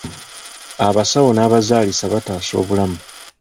Abasawo n'abazaalisa bataasa obulamu.